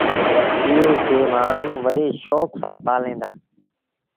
ايئي کي مآڻهوٚݩ وڏي شوڪ سآݩ پآليٚن دآ۔